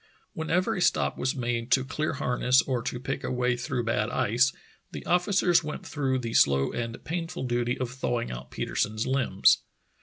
Whenever a stop was made to clear harness or to pick a way through bad ice, the officers went through the slow and painful duty of thawing out Petersen's limbs.